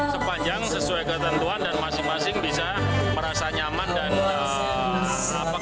sepanjang sesuai ketentuan dan masing masing bisa merasa nyaman